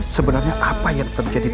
sebenarnya apa yang terjadi tadi itu